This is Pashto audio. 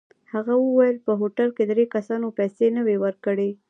هغه وویل په هوټل کې درې کسانو پیسې نه وې ورکړې.